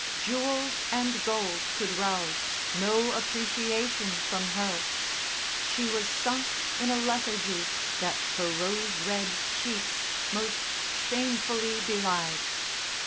Jewels and gold could rouse no appreciation from her; she was sunk in a lethargy that her rose red cheeks most shamefully belied.